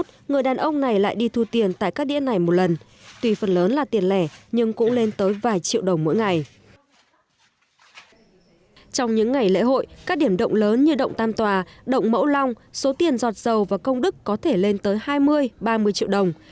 trong những ngày lễ hội các điểm động lớn như động tam tòa đậu mẫu long số tiền giọt dầu và công đức có thể lên tới hai mươi ba mươi triệu đồng